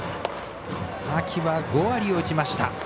秋は５割を打ちました。